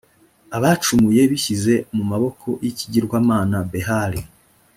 abacumuye bishyize mu maboko y’ikigirwamana behali.